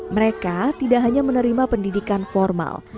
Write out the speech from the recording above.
mereka tidak hanya menerima pendidikan formal